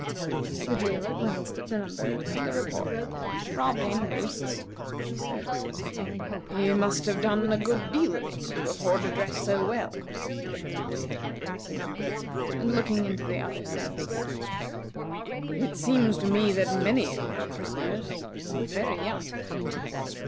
The jailer glanced at the number, and the report. "Robbed hen roosts," he said. "He must have done a good deal of it to afford to dress so well," said the Potentate, passing on, and looking into other cells. "It seems to me that many of your prisoners are very young."